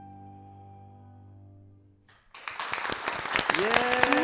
イエーイ！